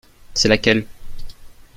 C’est laquelle ?